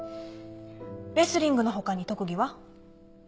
レスリングの他に特技は？